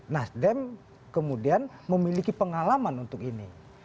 nasdem kemudian memiliki pengalaman untuk ini